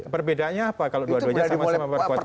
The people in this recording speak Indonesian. perbedaannya apa kalau dua duanya sama sama memperkuat itu